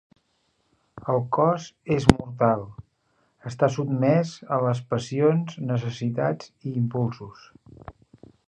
El cos és mortal, està sotmès a les passions, necessitats i impulsos.